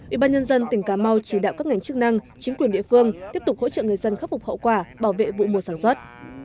ủy ban nhân dân tỉnh cà mau chỉ đạo các ngành chức năng chính quyền địa phương tiếp tục hỗ trợ người dân khắc phục hậu quả bảo vệ vụ mùa sản xuất